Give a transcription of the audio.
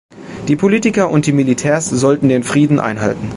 Die Politiker und die Militärs sollten den Frieden einhalten.